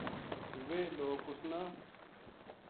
ویہ لوک اِس